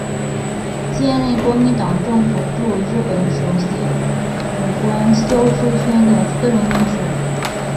兼任国民党政府驻日本首席武官肖叔宣的私人秘书。